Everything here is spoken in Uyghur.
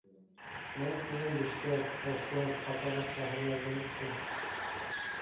مەن كېيىن بىشكەك، تاشكەنت قاتارلىق شەھەرلەرگىمۇ ئۇچتۇم.